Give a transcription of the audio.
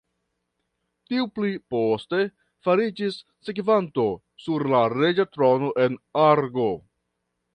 Tiu pli poste fariĝis sekvanto sur la reĝa trono en Argo.